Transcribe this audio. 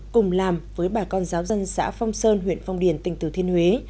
cùng làm với bà con giáo dân xã phong sơn huyện phong điền tỉnh thừa thiên huế